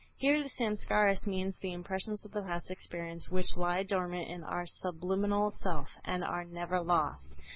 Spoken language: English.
Here the Samskâras mean the impressions of the past experience which lie dormant in our subliminal self, and are never lost.